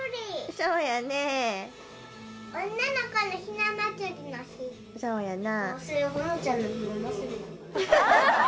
そうやな。